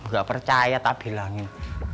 gak percaya tak bilangin